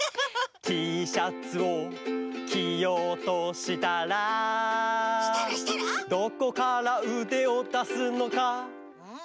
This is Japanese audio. Ｔシャツをきようとしたらどこからうでをだすのかうん？